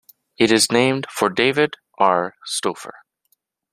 It is named for David R. Stopher.